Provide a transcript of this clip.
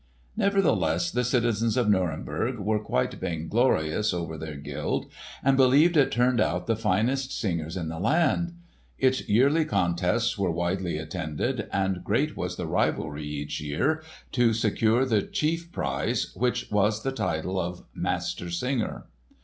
Nevertheless, the citizens of Nuremberg were quite vainglorious over their guild, and believed it turned out the finest singers in the land. Its yearly contests were widely attended, and great was the rivalry each year to secure the chief prize, which was the title of Master Singer.